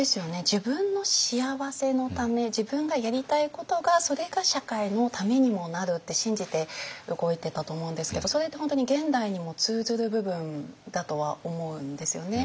自分の幸せのため自分がやりたいことがそれが社会のためにもなるって信じて動いてたと思うんですけどそれって本当に現代にも通ずる部分だとは思うんですよね。